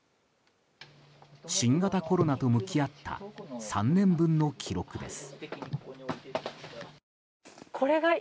新型コロナと向き合った３年分の記録です。